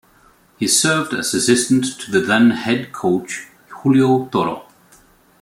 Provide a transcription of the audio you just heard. He served as assistant to then head coach Julio Toro.